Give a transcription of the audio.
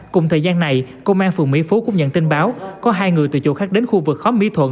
cùng thời gian này công an phường mỹ phú cũng nhận tin báo có hai người từ chỗ khác đến khu vực khóm mỹ thuận